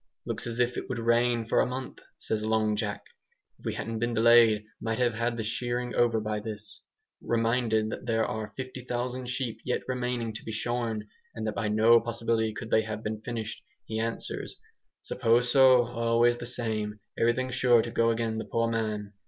"Looks as if it would rain for a month," says Long Jack. "If we hadn't been delayed might have had the shearing over by this." Reminded that there are 50,000 sheep yet remaining to be shorn, and that by no possibility could they have been finished, he answers, "Suppose so, always the same, everything sure to go agin the poor man."